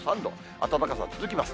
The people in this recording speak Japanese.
暖かさ続きます。